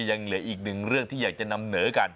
ยังเหลืออีกหนึ่งเรื่องที่อยากจะนำเหนอกัน